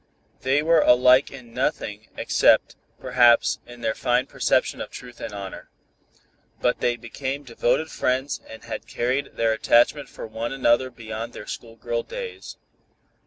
They were alike in nothing, except, perhaps, in their fine perception of truth and honor. But they became devoted friends and had carried their attachment for one another beyond their schoolgirl days.